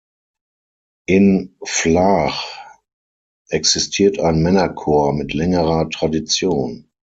In Flaach existiert ein Männerchor mit längerer Tradition.